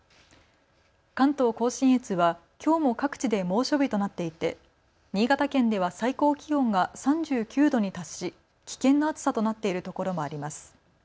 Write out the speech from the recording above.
関東甲信越はきょうも各地で猛暑日となっていて新潟県では最高気温が３９度に達し危険な暑さとなっているところもあります。